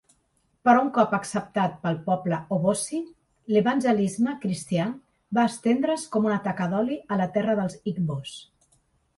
Però un cop acceptat pel poble Obosi, l'evangelisme cristià va estendre's com taca d'oli a la terra dels igbos.